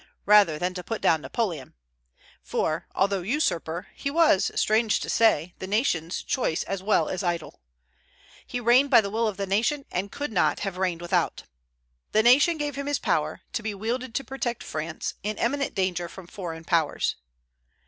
rather than to put down Napoleon; for, although usurper, he was, strange to say, the nation's choice as well as idol. He reigned by the will of the nation, and he could not have reigned without. The nation gave him his power, to be wielded to protect France, in imminent danger from foreign powers.